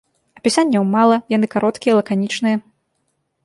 Апісанняў мала, яны кароткія, лаканічныя.